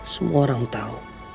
semua orang tahu